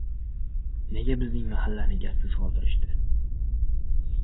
Nega bizning mahallani gazsiz qoldirishdi?